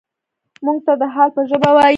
موږ ته د حال په ژبه وايي.